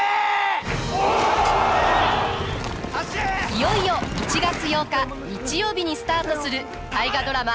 いよいよ１月８日日曜日にスタートする大河ドラマ